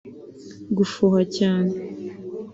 Gufuha cyane